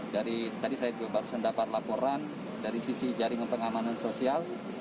dari tadi saya baru saja mendapat laporan dari sisi jaringan pengamanan sosial